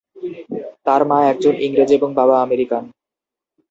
তার মা একজন ইংরেজ এবং বাবা আমেরিকান।